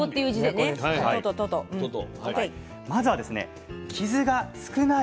まずはですね傷が少ない